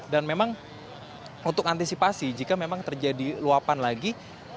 dan memang untuk antisipasi jika memang terjadi luapan lagi